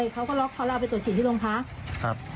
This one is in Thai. ครับ